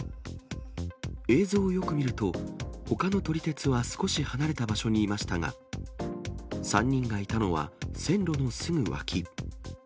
映像をよく見ると、ほかの撮り鉄は少し離れた場所にいましたが、３人がいたのは、線路のすぐ脇。